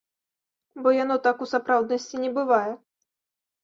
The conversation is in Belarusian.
Бо яно так у сапраўднасці не бывае.